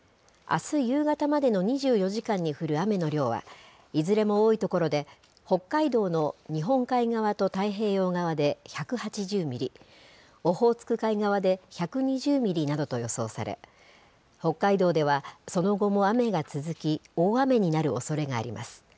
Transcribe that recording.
あす夕方までの２４時間に降る雨の量は、いずれも多い所で、北海道の日本海側と太平洋側で１８０ミリ、オホーツク海側で１２０ミリなどと予想され、北海道ではその後も雨が続き、大雨になるおそれがあります。